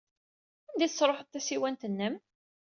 Anda ay tesṛuḥeḍ tasiwant-nnem?